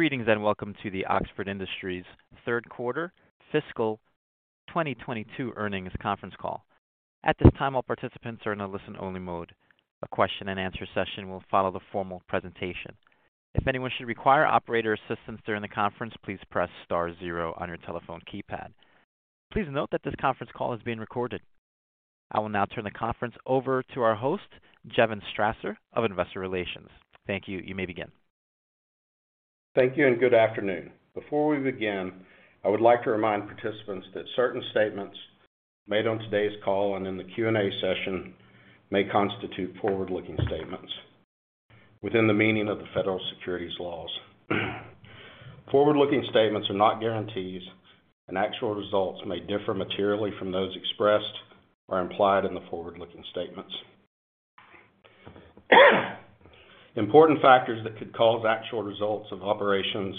Greetings, welcome to the Oxford Industries third quarter fiscal 2022 earnings conference call. At this time, all participants are in a listen-only mode. A question-and-answer session will follow the formal presentation. If anyone should require operator assistance during the conference, please press star zero on your telephone keypad. Please note that this conference call is being recorded. I will now turn the conference over to our host, Kevin Strasser of Investor Relations. Thank you. You may begin. Thank you, and good afternoon. Before we begin, I would like to remind participants that certain statements made on today's call and in the Q&A session may constitute forward-looking statements within the meaning of the federal securities laws. Forward-looking statements are not guarantees, and actual results may differ materially from those expressed or implied in the forward-looking statements. Important factors that could cause actual results of operations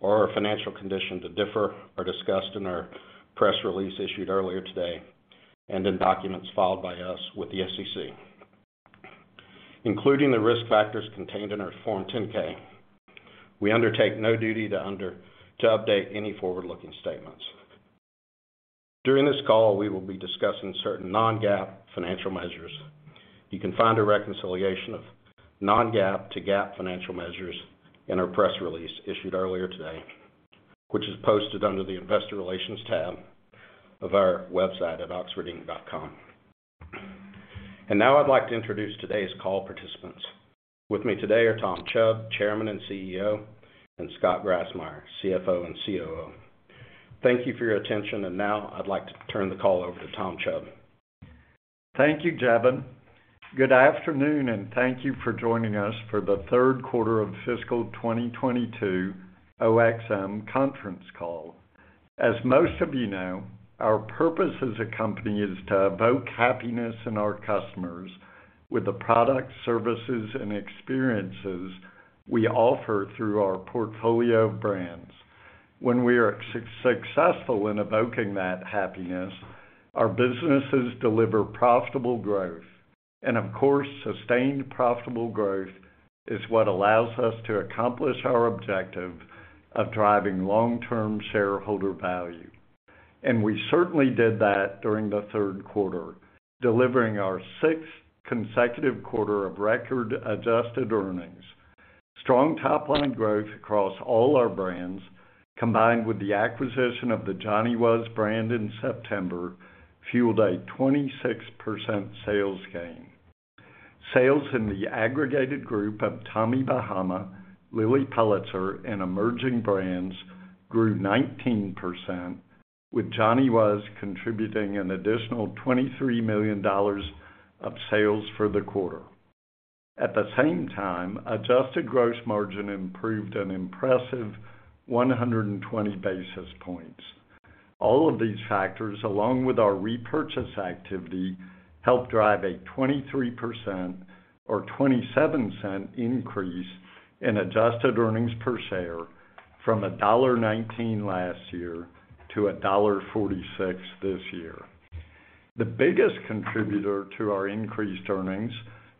or our financial condition to differ are discussed in our press release issued earlier today and in documents filed by us with the SEC, including the risk factors contained in our Form 10-K. We undertake no duty to update any forward-looking statements. During this call, we will be discussing certain non-GAAP financial measures. You can find a reconciliation of non-GAAP to GAAP financial measures in our press release issued earlier today, which is posted under the Investor Relations tab of our website at oxfordinc.com. Now I'd like to introduce today's call participants. With me today are Tom Chubb, Chairman and CEO, and Scott Grassmeyer, CFO and COO. Thank you for your attention. Now I'd like to turn the call over to Tom Chubb. Thank you, Jevin. Good afternoon, thank you for joining us for the third quarter of fiscal 2022 OXM conference call. As most of you know, our purpose as a company is to evoke happiness in our customers with the products, services, and experiences we offer through our portfolio of brands. When we are successful in evoking that happiness, our businesses deliver profitable growth. Of course, sustained profitable growth is what allows us to accomplish our objective of driving long-term shareholder value. We certainly did that during the third quarter, delivering our sixth consecutive quarter of record adjusted earnings. Strong top line growth across all our brands, combined with the acquisition of the Johnny Was brand in September, fueled a 26% sales gain. Sales in the aggregated group of Tommy Bahama, Lilly Pulitzer, and Emerging Brands grew 19%, with Johnny Was contributing an additional $23 million of sales for the quarter. At the same time, adjusted gross margin improved an impressive 120 basis points. All of these factors, along with our repurchase activity, helped drive a 23% or $0.27 increase in adjusted earnings per share from $1.19 last year to $1.46 this year. The biggest contributor to our increased earnings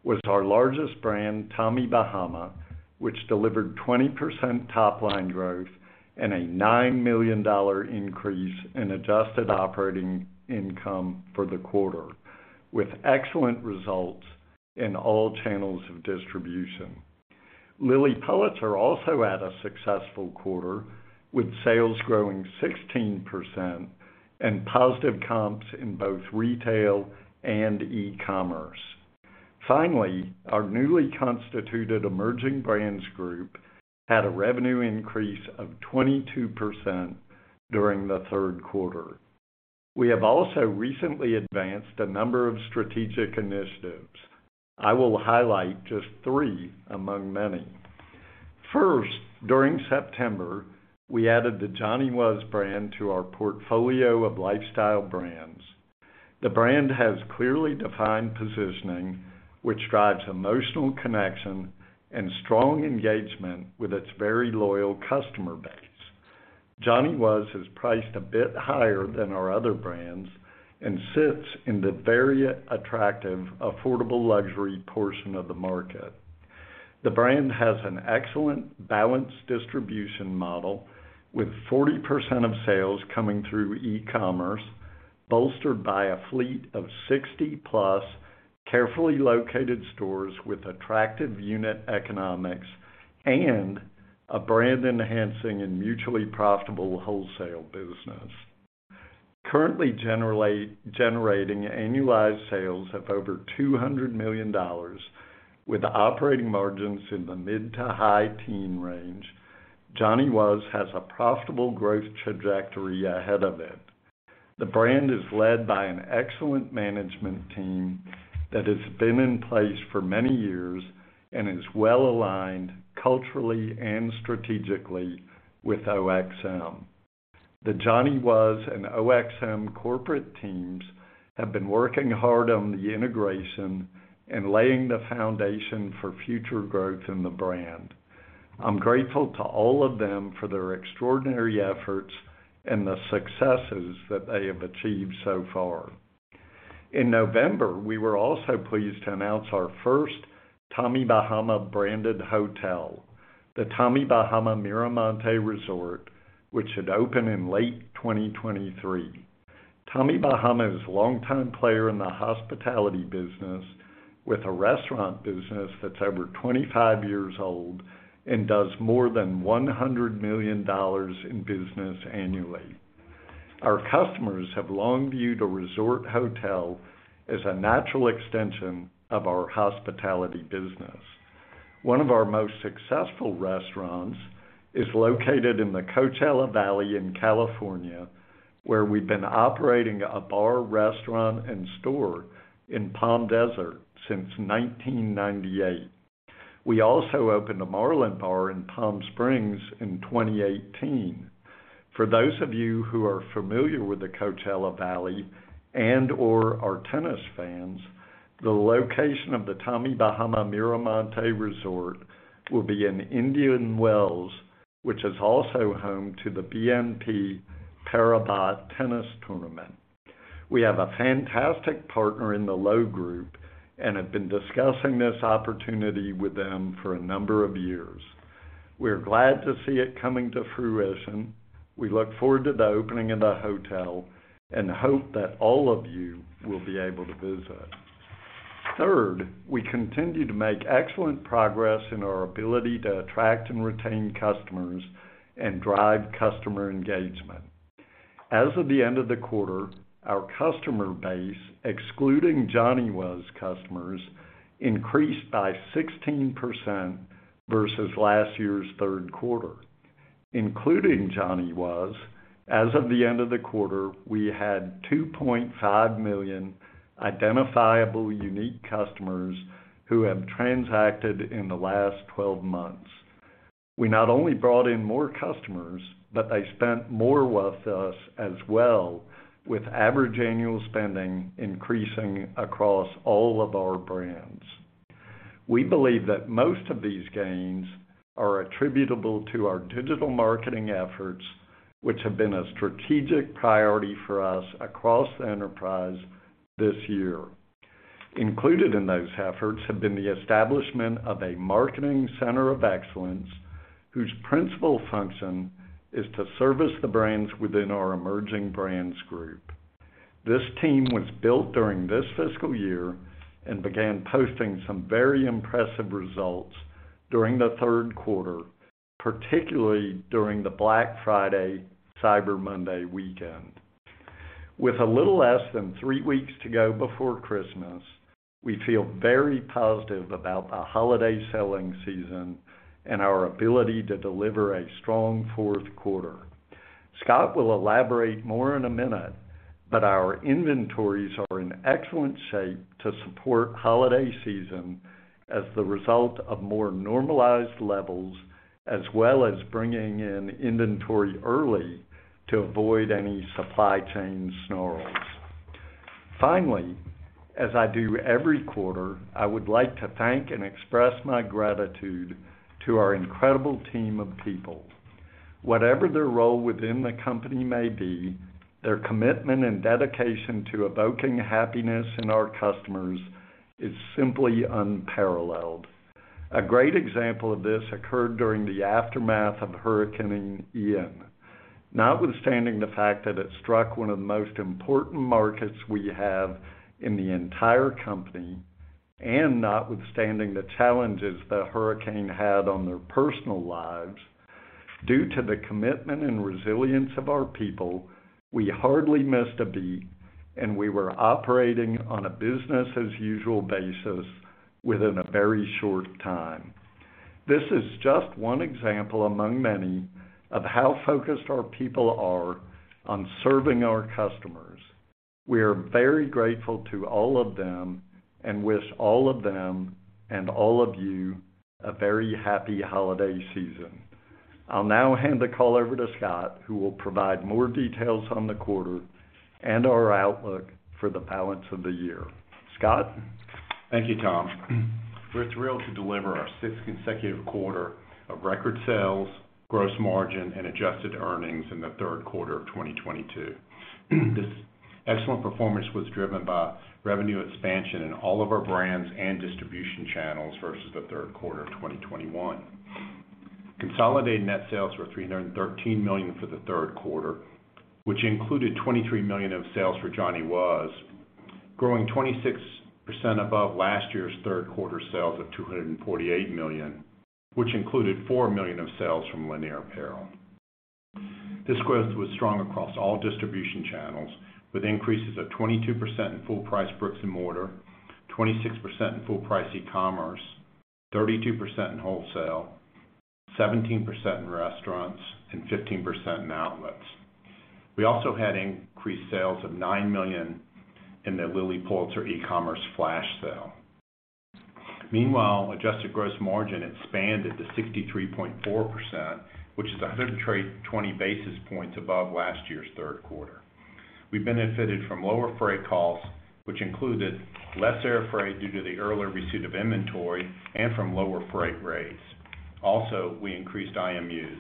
was our largest brand, Tommy Bahama, which delivered 20% top line growth and a $9 million increase in adjusted operating income for the quarter, with excellent results in all channels of distribution. Lilly Pulitzer also had a successful quarter, with sales growing 16% and positive comps in both retail and e-commerce. Our newly constituted Emerging Brands group had a revenue increase of 22% during the third quarter. We have also recently advanced a number of strategic initiatives. I will highlight just three among many. During September, we added the Johnny Was brand to our portfolio of lifestyle brands. The brand has clearly defined positioning, which drives emotional connection and strong engagement with its very loyal customer base. Johnny Was is priced a bit higher than our other brands and sits in the very attractive, affordable luxury portion of the market. The brand has an excellent balanced distribution model with 40% of sales coming through e-commerce, bolstered by a fleet of 60-plus carefully located stores with attractive unit economics and a brand-enhancing and mutually profitable wholesale business. Currently generating annualized sales of over $200 million with operating margins in the mid-to-high teen range, Johnny Was has a profitable growth trajectory ahead of it. The brand is led by an excellent management team that has been in place for many years and is well-aligned culturally and strategically with OXM. The Johnny Was and OXM corporate teams have been working hard on the integration and laying the foundation for future growth in the brand. I'm grateful to all of them for their extraordinary efforts and the successes that they have achieved so far. In November, we were also pleased to announce our first Tommy Bahama branded hotel, the Tommy Bahama Miramonte Resort, which should open in late 2023. Tommy Bahama is a longtime player in the hospitality business, with a restaurant business that's over 25 years old and does more than $100 million in business annually. Our customers have long viewed a resort hotel as a natural extension of our hospitality business. One of our most successful restaurants is located in the Coachella Valley in California, where we've been operating a bar, restaurant, and store in Palm Desert since 1998. We also opened a Marlin Bar in Palm Springs in 2018. For those of you who are familiar with the Coachella Valley and or are tennis fans, the location of the Tommy Bahama Miramonte Resort will be in Indian Wells, which is also home to the BNP Paribas Open. We have a fantastic partner in The Lowe Group and have been discussing this opportunity with them for a number of years. We're glad to see it coming to fruition. We look forward to the opening of the hotel and hope that all of you will be able to visit. Third, we continue to make excellent progress in our ability to attract and retain customers and drive customer engagement. As of the end of the quarter, our customer base, excluding Johnny Was customers, increased by 16% versus last year's third quarter. Including Johnny Was, as of the end of the quarter, we had 2.5 million identifiable unique customers who have transacted in the last 12 months. We not only brought in more customers, but they spent more with us as well, with average annual spending increasing across all of our brands. We believe that most of these gains are attributable to our digital marketing efforts, which have been a strategic priority for us across the enterprise this year. Included in those efforts have been the establishment of a Marketing Center of Excellence, whose principal function is to service the brands within our Emerging Brands group. This team was built during this fiscal year and began posting some very impressive results during the third quarter, particularly during the Black Friday, Cyber Monday weekend. With a little less than three weeks to go before Christmas, we feel very positive about the holiday selling season and our ability to deliver a strong fourth quarter. Scott will elaborate more in a minute. Our inventories are in excellent shape to support holiday season as the result of more normalized levels, as well as bringing in inventory early to avoid any supply chain snarls. As I do every quarter, I would like to thank and express my gratitude to our incredible team of people. Whatever their role within the company may be, their commitment and dedication to evoking happiness in our customers is simply unparalleled. A great example of this occurred during the aftermath of Hurricane Ian. Notwithstanding the fact that it struck one of the most important markets we have in the entire company, and notwithstanding the challenges the hurricane had on their personal lives, due to the commitment and resilience of our people, we hardly missed a beat, and we were operating on a business as usual basis within a very short time. This is just one example among many of how focused our people are on serving our customers. We are very grateful to all of them and wish all of them and all of you a very happy holiday season. I'll now hand the call over to Scott, who will provide more details on the quarter and our outlook for the balance of the year. Scott? Thank you, Tom. We're thrilled to deliver our sixth consecutive quarter of record sales, gross margin, and adjusted earnings in the third quarter of 2022. This excellent performance was driven by revenue expansion in all of our brands and distribution channels versus the third quarter of 2021. Consolidated net sales were $313 million for the third quarter, which included $23 million of sales for Johnny Was, growing 26% above last year's third quarter sales of $248 million, which included $4 million of sales from Lanier Apparel. This growth was strong across all distribution channels, with increases of 22% in full price bricks and mortar, 26% in full price e-commerce, 32% in wholesale, 17% in restaurants, and 15% in outlets. We also had increased sales of $9 million in the Lilly Pulitzer e-commerce flash sale. Adjusted gross margin expanded to 63.4%, which is 120 basis points above last year's third quarter. We benefited from lower freight costs, which included less air freight due to the earlier receipt of inventory and from lower freight rates. We increased IMUs.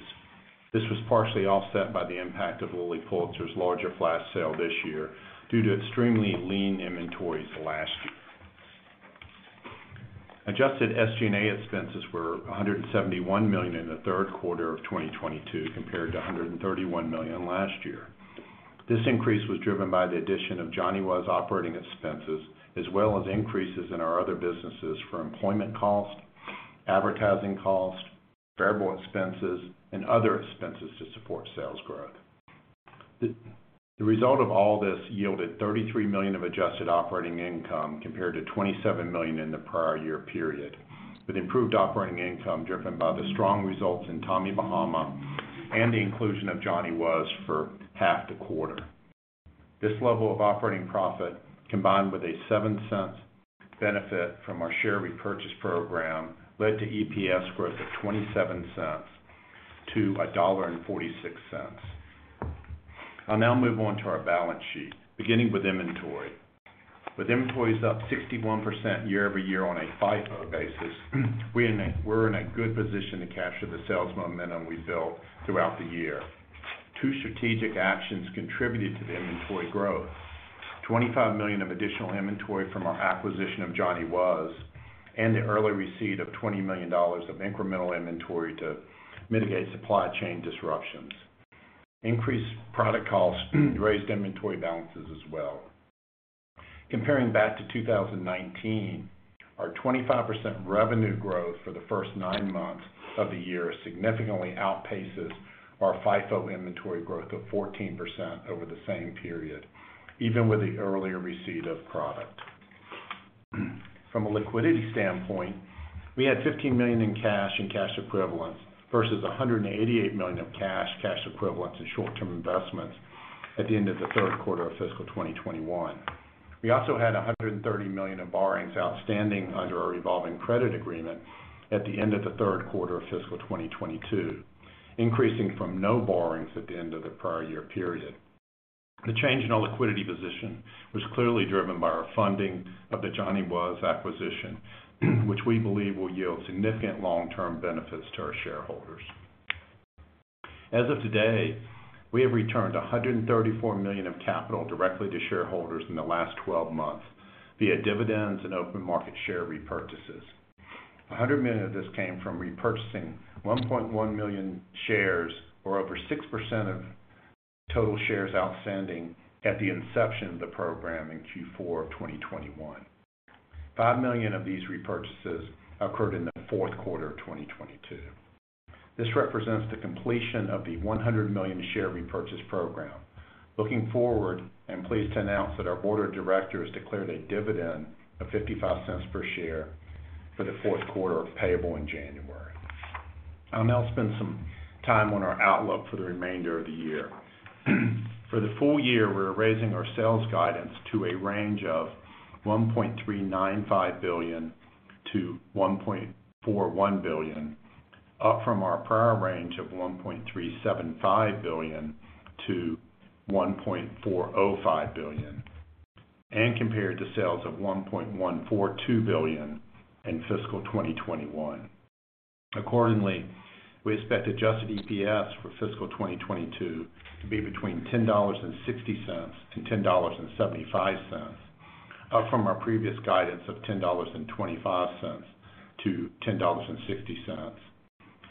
This was partially offset by the impact of Lilly Pulitzer's larger flash sale this year due to extremely lean inventories last year. Adjusted SG&A expenses were $171 million in the third quarter of 2022 compared to $131 million last year. This increase was driven by the addition of Johnny Was operating expenses, as well as increases in our other businesses for employment costs, advertising costs, variable expenses, and other expenses to support sales growth. The result of all this yielded $33 million of adjusted operating income compared to $27 million in the prior year period, with improved operating income driven by the strong results in Tommy Bahama and the inclusion of Johnny Was for half the quarter. This level of operating profit, combined with a $0.07 benefit from our share repurchase program, led to EPS growth of $0.27 to $1.46. I'll now move on to our balance sheet, beginning with inventory. With inventories up 61% year-over-year on a FIFO basis, we're in a good position to capture the sales momentum we built throughout the year. Two strategic actions contributed to the inventory growth. $25 million of additional inventory from our acquisition of Johnny Was, the early receipt of $20 million of incremental inventory to mitigate supply chain disruptions. Increased product costs raised inventory balances as well. Comparing back to 2019, our 25% revenue growth for the first nine months of the year significantly outpaces our FIFO inventory growth of 14% over the same period, even with the earlier receipt of product. From a liquidity standpoint, we had $15 million in cash and cash equivalents versus $188 million of cash equivalents, and short-term investments at the end of the third quarter of fiscal 2021. We also had $130 million in borrowings outstanding under our revolving credit agreement at the end of the third quarter of fiscal 2022, increasing from no borrowings at the end of the prior year period. The change in our liquidity position was clearly driven by our funding of the Johnny Was acquisition which we believe will yield significant long-term benefits to our shareholders. As of today, we have returned $134 million of capital directly to shareholders in the last 12 months via dividends and open market share repurchases. $100 million of this came from repurchasing 1.1 million shares, or over 6% of total shares outstanding at the inception of the program in Q4 of 2021. $5 million of these repurchases occurred in the fourth quarter of 2022. This represents the completion of the $100 million share repurchase program. Looking forward, I'm pleased to announce that our board of directors declared a dividend of $0.55 per share for the fourth quarter payable in January. I'll now spend some time on our outlook for the remainder of the year. For the full year, we're raising our sales guidance to a range of $1.395 billion-$1.41 billion, up from our prior range of $1.375 billion-$1.405 billion, and compared to sales of $1.142 billion in fiscal 2021. Accordingly, we expect adjusted EPS for fiscal 2022 to be between $10.60-$10.75, up from our previous guidance of $10.25-$10.60,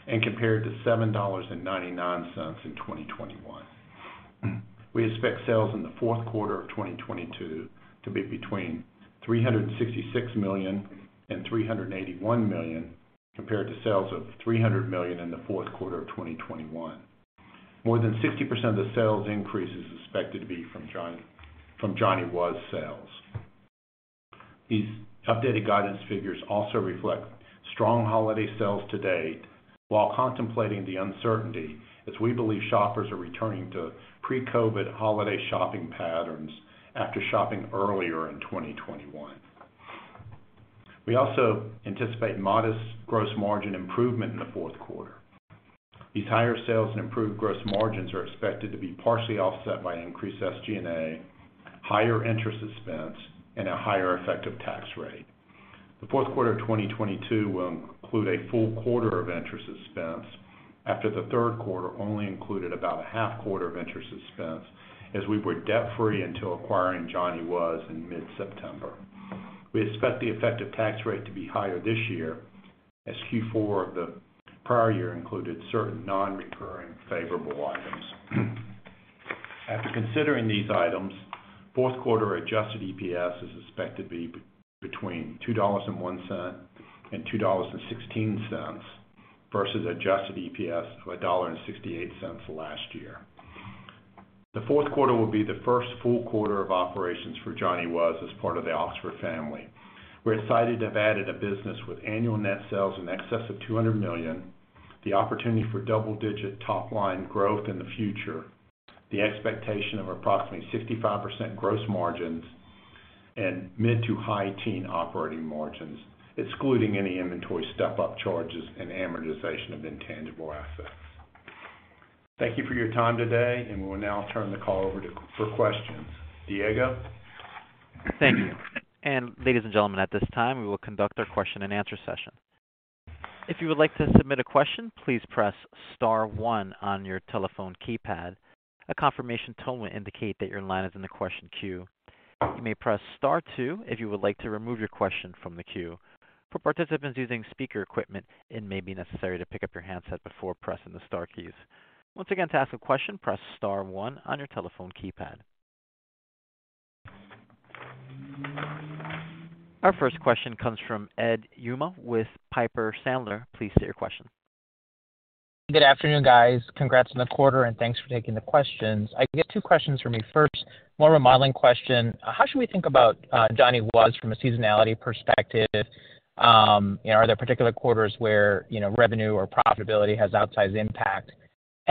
and compared to $7.99 in 2021. We expect sales in the fourth quarter of 2022 to be between $366 million and $381 million, compared to sales of $300 million in the fourth quarter of 2021. More than 60% of the sales increase is expected to be from Johnny Was sales. These updated guidance figures also reflect strong holiday sales to date, while contemplating the uncertainty as we believe shoppers are returning to pre-COVID holiday shopping patterns after shopping earlier in 2021. We also anticipate modest gross margin improvement in the fourth quarter. These higher sales and improved gross margins are expected to be partially offset by increased SG&A, higher interest expense, and a higher effective tax rate. The fourth quarter of 2022 will include a full quarter of interest expense after the third quarter only included about a half quarter of interest expense as we were debt-free until acquiring Johnny Was in mid-September. We expect the effective tax rate to be higher this year, as Q4 of the prior year included certain non-recurring favorable items. After considering these items, fourth quarter adjusted EPS is expected to be between $2.01 and $2.16 versus adjusted EPS of $1.68 last year. The fourth quarter will be the first full quarter of operations for Johnny Was as part of the Oxford family. We're excited to have added a business with annual net sales in excess of $200 million, the opportunity for double-digit top-line growth in the future, the expectation of approximately 65% gross margins, and mid to high teen operating margins, excluding any inventory step-up charges and amortization of intangible assets. Thank you for your time today. We will now turn the call over to for questions. Diego? Thank you. ladies and gentlemen, at this time we will conduct our question and answer session. If you would like to submit a question, please press star one on your telephone keypad. A confirmation tone will indicate that your line is in the question queue. You may press star two if you would like to remove your question from the queue. For participants using speaker equipment, it may be necessary to pick up your handset before pressing the star keys. Once again, to ask a question, press star one on your telephone keypad. Our first question comes from Edward Yruma with Piper Sandler. Please state your question. Good afternoon, guys. Congrats on the quarter, and thanks for taking the questions. I got two questions for me. First, more of a modeling question. How should we think about Johnny Was from a seasonality perspective? You know, are there particular quarters where, you know, revenue or profitability has outsized impact?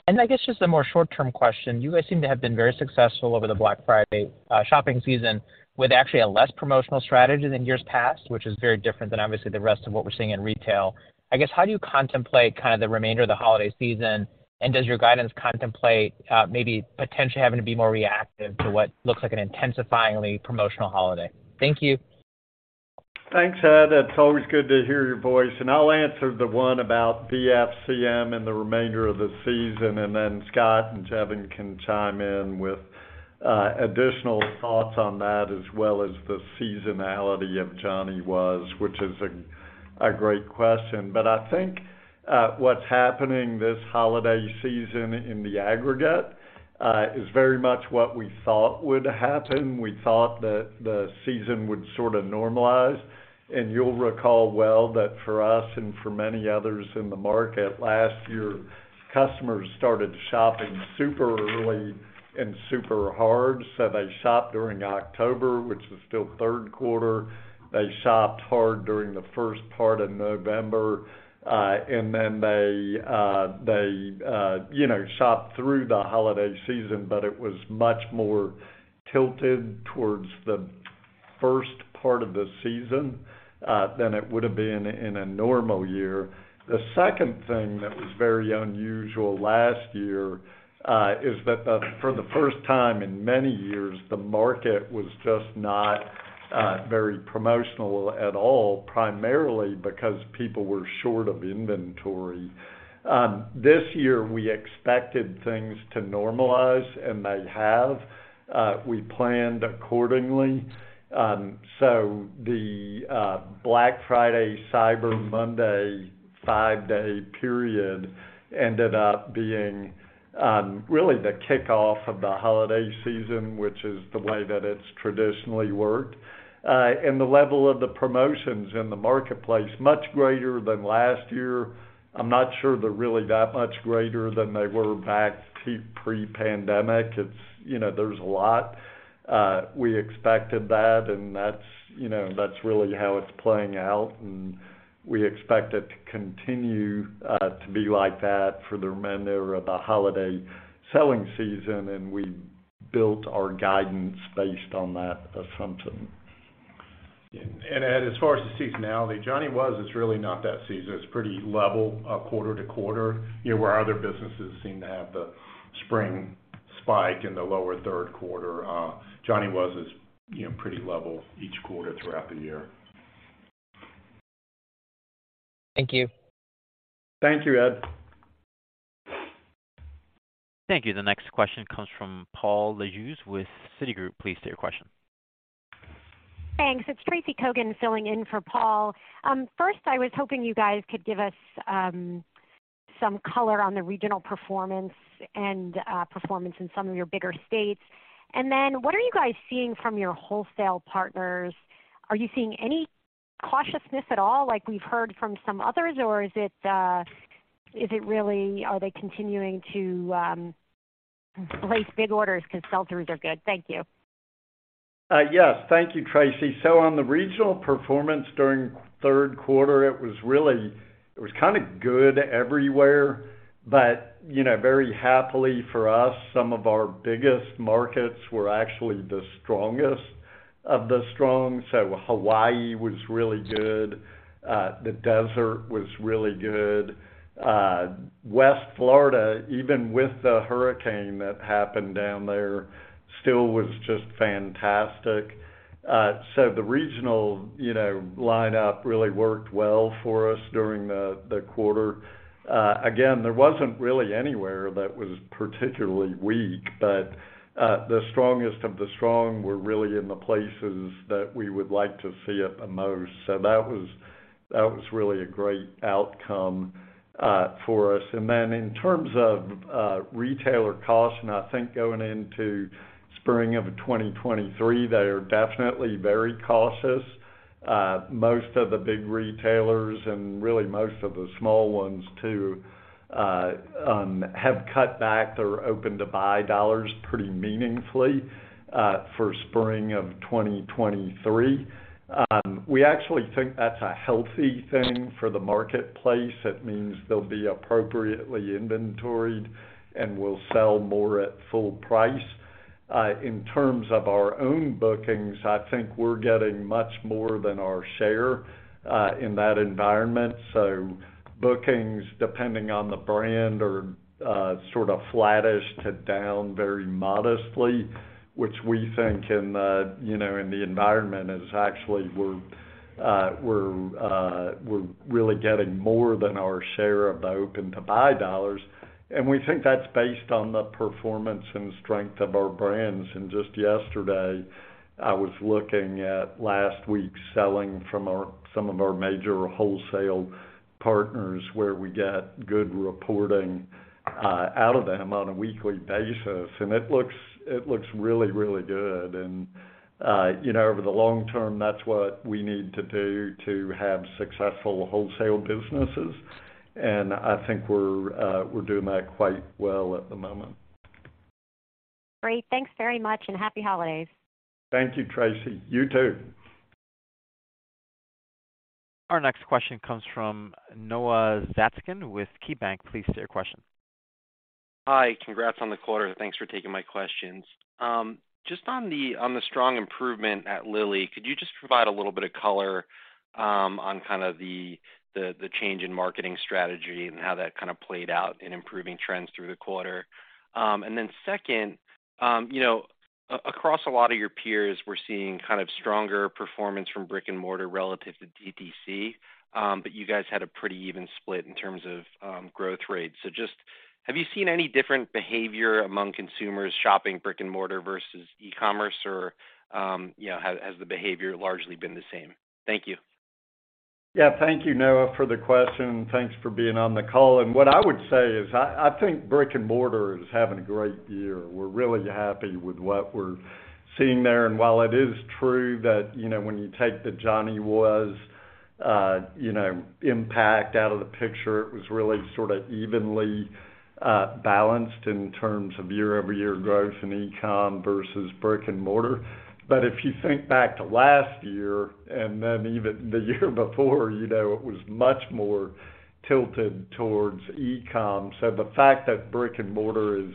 I guess just a more short-term question, you guys seem to have been very successful over the Black Friday shopping season with actually a less promotional strategy than years past, which is very different than obviously the rest of what we're seeing in retail. I guess, how do you contemplate kind of the remainder of the holiday season? Does your guidance contemplate maybe potentially having to be more reactive to what looks like an intensifying promotional holiday? Thank you. Thanks, Ed. It's always good to hear your voice. I'll answer the one about BFCM and the remainder of the season, and then Scott and Jevin can chime in with additional thoughts on that, as well as the seasonality of Johnny Was, which is a great question. I think what's happening this holiday season in the aggregate is very much what we thought would happen. We thought that the season would sort of normalize. You'll recall well that for us and for many others in the market, last year, customers started shopping super early and super hard. They shopped during October, which is still third quarter. They shopped hard during the first part of November. They, you know, shopped through the holiday season, but it was much more tilted towards the first part of the season than it would have been in a normal year. The second thing that was very unusual last year is that for the first time in many years, the market was just not very promotional at all, primarily because people were short of inventory. This year, we expected things to normalize, and they have. We planned accordingly. The Black Friday, Cyber Monday, 5-day period ended up being really the kickoff of the holiday season, which is the way that it's traditionally worked. The level of the promotions in the marketplace, much greater than last year. I'm not sure they're really that much greater than they were back to pre-pandemic. It's, you know, there's a lot. We expected that. That's, you know, that's really how it's playing out. We expect it to continue, to be like that for the remainder of the holiday selling season. We built our guidance based on that assumption. As far as the seasonality, Johnny Was, it's really not that seasonal. It's pretty level, quarter to quarter. You know, where other businesses seem to have the spring spike in the lower third quarter, Johnny Was is, you know, pretty level each quarter throughout the year. Thank you. Thank you, Ed. Thank you. The next question comes from Paul Lejuez with Citigroup. Please state your question. Thanks. It's Tracy Kogan filling in for Paul. First, I was hoping you guys could give us some color on the regional performance and performance in some of your bigger states. What are you guys seeing from your wholesale partners? Are you seeing any cautiousness at all, like we've heard from some others, or is it really are they continuing to place big orders 'cause sell-throughs are good? Thank you. Yes. Thank you, Tracy Kogan. On the regional performance during 3rd quarter, it was kinda good everywhere. You know, very happily for us, some of our biggest markets were actually the strongest of the strong. Hawaii was really good. The Desert was really good. West Florida, even with Hurricane Ian that happened down there, still was just fantastic. The regional, you know, lineup really worked well for us during the quarter. Again, there wasn't really anywhere that was particularly weak, but the strongest of the strong were really in the places that we would like to see it the most. That was, that was really a great outcome for us. Then in terms of retailer costs, and I think going into spring of 2023, they are definitely very cautious. Most of the big retailers and really most of the small ones too have cut back their open-to-buy dollars pretty meaningfully for spring of 2023. We actually think that's a healthy thing for the marketplace. It means they'll be appropriately inventoried, and we'll sell more at full price. In terms of our own bookings, I think we're getting much more than our share in that environment. Bookings, depending on the brand or sort of flattish to down very modestly, which we think can, you know, in the environment is actually we're really getting more than our share of the open-to-buy dollars. We think that's based on the performance and strength of our brands. Just yesterday, I was looking at last week's selling from some of our major wholesale partners, where we get good reporting out of them on a weekly basis, and it looks really, really good. You know, over the long term, that's what we need to do to have successful wholesale businesses. I think we're doing that quite well at the moment. Great. Thanks very much, and happy holidays. Thank you, Tracy. You too. Our next question comes from Noah Zatzkin with KeyBank. Please state your question. Hi. Congrats on the quarter. Thanks for taking my questions. Just on the strong improvement at Lilly, could you just provide a little bit of color on kind of the change in marketing strategy and how that kind of played out in improving trends through the quarter? Then second, you know, across a lot of your peers, we're seeing kind of stronger performance from brick-and-mortar relative to DTC, but you guys had a pretty even split in terms of growth rates. Just have you seen any different behavior among consumers shopping brick-and-mortar versus e-commerce or, you know, has the behavior largely been the same? Thank you. Yeah. Thank you, Noah, for the question. Thanks for being on the call. What I would say is I think brick-and-mortar is having a great year. We're really happy with what we're seeing there. While it is true that, you know, when you take the Johnny Was, you know, impact out of the picture, it was really sort of evenly balanced in terms of year-over-year growth in e-com versus brick-and-mortar. If you think back to last year and then even the year before, you know, it was much more tilted towards e-com. The fact that brick-and-mortar is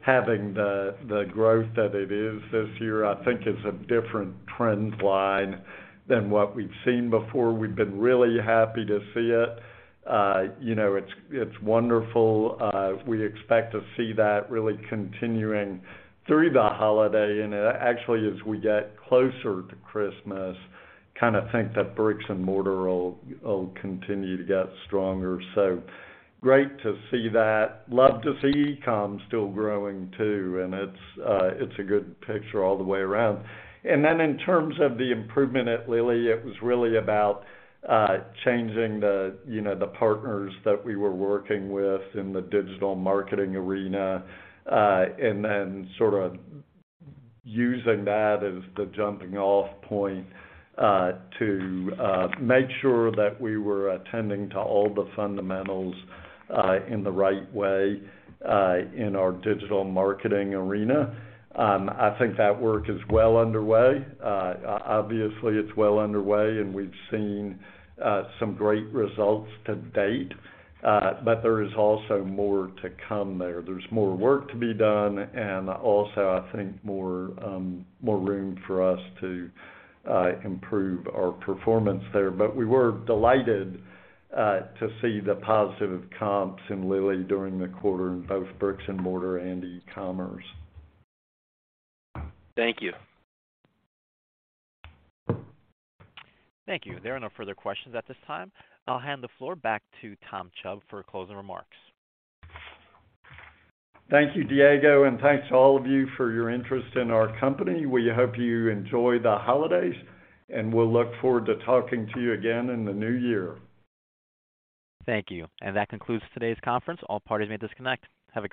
having the growth that it is this year, I think is a different trend line than what we've seen before. We've been really happy to see it. You know, it's wonderful. We expect to see that really continuing through the holiday. Actually, as we get closer to Christmas, kind of think that bricks and mortar will continue to get stronger. Great to see that. Love to see e-com still growing too, and it's a good picture all the way around. Then in terms of the improvement at Lilly, it was really about changing, you know, the partners that we were working with in the digital marketing arena, and then sort of using that as the jumping off point to make sure that we were attending to all the fundamentals in the right way in our digital marketing arena. I think that work is well underway. Obviously, it's well underway, and we've seen some great results to date. There is also more to come there. There's more work to be done. Also, I think more, more room for us to improve our performance there. We were delighted to see the positive comps in Lilly during the quarter in both bricks and mortar and e-commerce. Thank you. Thank you. There are no further questions at this time. I'll hand the floor back to Tom Chubb for closing remarks. Thank you, Diego, and thanks to all of you for your interest in our company. We hope you enjoy the holidays, and we'll look forward to talking to you again in the new year. Thank you. That concludes today's conference. All parties may disconnect. Have a great day.